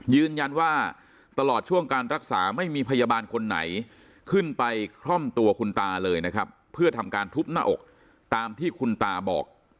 ตลอดช่วงการรักษาไม่มีพยาบาลคนไหนขึ้นไปคล่อมตัวคุณตาเลยนะครับเพื่อทำการทุบหน้าอกตามที่คุณตาบอก